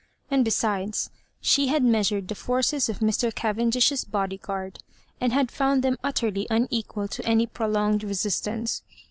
And besides, she bad measured the forces of Mr. Cavendish's body guard, and had found them utterly unequal to aoy prolonged re sistance.